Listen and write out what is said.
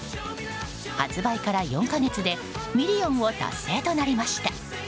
発売から４か月でミリオンを達成となりました。